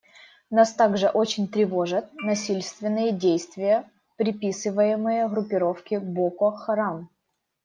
Нас также очень тревожат насильственные действия, приписываемые группировке «Боко Харам».